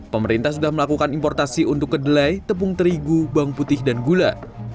pemerintah sudah melakukan importasi untuk kedelai tepung terigu bawang putih dan gula